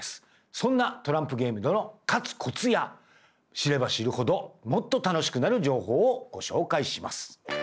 そんなトランプゲームでの勝つコツや知れば知るほどもっと楽しくなる情報をご紹介します。